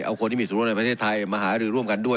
เอาคนที่มีส่วนต่ไว้ท่านพนักฤทธิ์ไทยมาหาดื่มร่วมกันด้วย